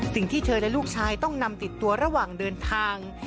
สิ่งที่เธอและลูกชายต้องนำติดตัวระหว่างเดินทาง